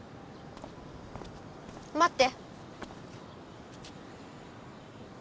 待って！